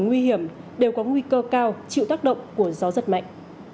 nguy hiểm đều có nguy cơ cao chịu tác động của gió giật mạnh